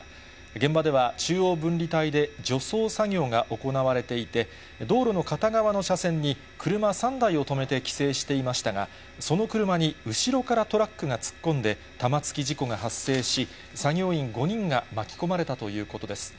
現場では中央分離帯で除草作業が行われていて、道路の片側の車線に、車３台を止めて規制していましたが、その車に、後ろからトラックが突っ込んで、玉突き事故が発生し、作業員５人が巻き込まれたということです。